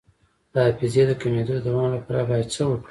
د حافظې د کمیدو د دوام لپاره باید څه وکړم؟